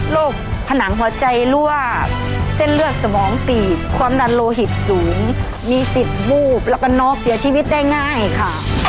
ผนังหัวใจรั่วเส้นเลือดสมองตีบความดันโลหิตสูงมีติดวูบแล้วก็น้องเสียชีวิตได้ง่ายค่ะ